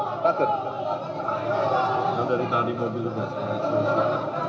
dari tadi mobilnya